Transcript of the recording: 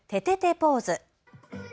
ポーズ。